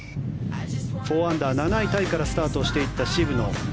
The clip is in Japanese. ４アンダー、７位タイからスタートしていった渋野。